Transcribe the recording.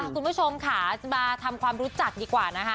คุณผู้ชมค่ะจะมาทำความรู้จักดีกว่านะคะ